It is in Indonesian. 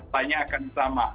tanya akan sama